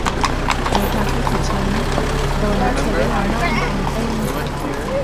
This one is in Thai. ในความคิดของฉันโดนัทใช้เวลามากในการเต้น